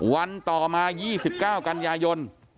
วันต่อมา๒๙กันยายน